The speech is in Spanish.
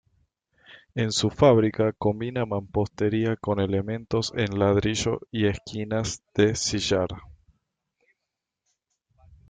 En su fábrica combina mampostería con elementos en ladrillo y esquinas de sillar.